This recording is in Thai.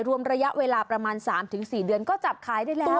รวมระยะเวลาประมาณ๓๔เดือนก็จับขายได้แล้ว